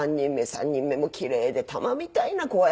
３人目もキレイで玉みたいな子やった。